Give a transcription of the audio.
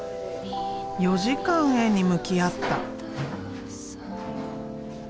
４時間絵に向き合った。